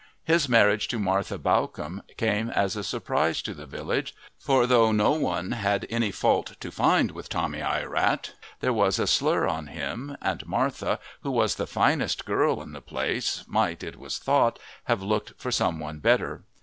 His marriage to Martha Bawcombe came as a surprise to the village, for though no one had any fault to find with Tommy Ierat there was a slur on him, and Martha, who was the finest girl in the place, might, it was thought, have looked for some one better.